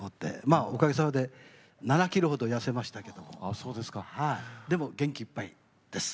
おかげさまで７ｋｇほど痩せましたけれどもでも元気いっぱいです。